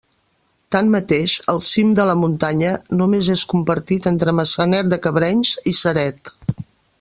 Tanmateix, el cim de la muntanya només és compartit entre Maçanet de Cabrenys i Ceret.